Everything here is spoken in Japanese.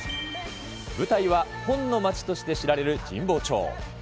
舞台は本の街として知られる神保町。